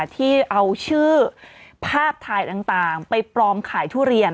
ที่เอาชื่อภาพถ่ายต่างไปปลอมขายทุเรียน